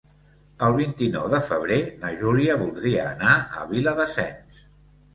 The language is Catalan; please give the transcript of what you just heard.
El vint-i-nou de febrer na Júlia voldria anar a Viladasens.